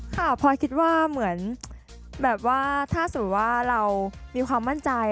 พลอยคิดว่าเหมือนแบบว่าถ้าสมมุติว่าเรามีความมั่นใจ